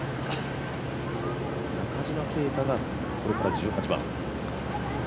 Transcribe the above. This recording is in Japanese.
中島啓太がこれから１８番。